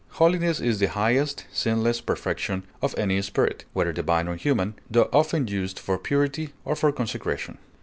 Holiness is the highest, sinless perfection of any spirit, whether divine or human, tho often used for purity or for consecration.